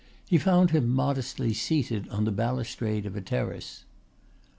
He found him modestly seated on the balustrade of a terrace.